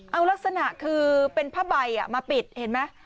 เอาลักษณะคือเป็นผ้าใบมาปิดเห็นไหม